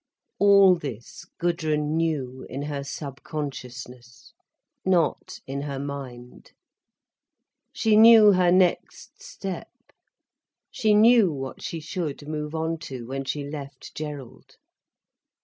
All this Gudrun knew in her subconsciousness, not in her mind. She knew her next step—she knew what she should move on to, when she left Gerald.